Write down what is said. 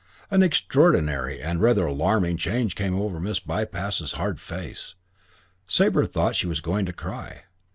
An extraordinary and rather alarming change came over Miss Bypass's hard face. Sabre thought she was going to cry.